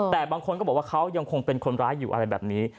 แต่บางคนก็บอกว่าเขายังคงเป็นคนร้ายอยู่อะไรแบบนี้